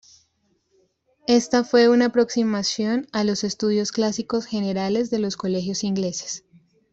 Esta fue una nueva aproximación a los estudios clásicos generales de los colegios ingleses.